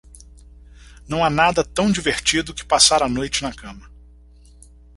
Não há nada tão divertido que passar a noite na cama.